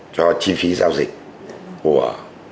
cho chi phí giao dịch của